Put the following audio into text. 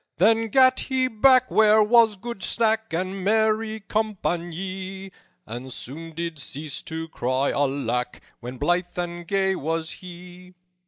"Then gat he back where was good sack And merry com panye, And soon did cease to cry 'Alack!' When blithe and gay was he.